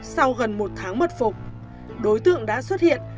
sau gần một tháng mật phục đối tượng đã xuất hiện